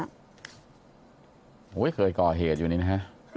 โอ้โหเคยก่อเหตุอยู่นี่นะฮะ